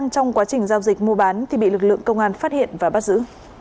công an phát hiện và bắt giữ